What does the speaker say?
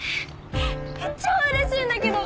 超うれしいんだけど！